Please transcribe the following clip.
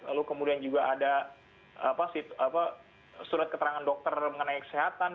lalu kemudian juga ada surat keterangan dokter mengenai kesehatan